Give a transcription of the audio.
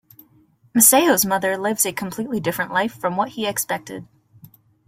Masao's mother lives a completely different life from what he expected.